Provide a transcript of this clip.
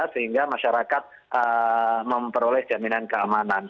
sehingga masyarakat memperoleh jaminan keamanan